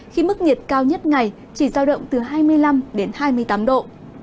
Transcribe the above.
khi mức nhiệt cao nhất ngày chỉ giao động từ hai mươi năm đến hai mươi tám độ